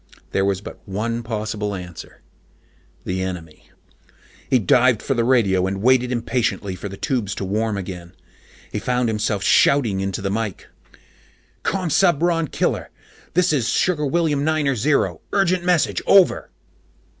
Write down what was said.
There was but one possible answer: the enemy. He dived for the radio and waited impatiently for the tubes to warm again. He found himself shouting into the mic. "Commsubron Killer, this is Sugar William Niner Zero. Urgent message. Over."